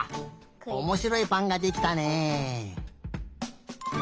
おもしろいぱんができたね。